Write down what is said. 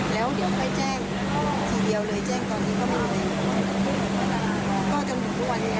แล้วเดี๋ยวเขาให้แจ้งทีเดียวเลยแจ้งตอนนี้เขาก็ไม่มีความได้